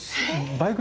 バイク。